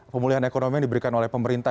pemulihan ekonomi yang diberikan oleh pemerintah